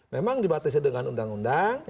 memang dibatasi dengan undang undang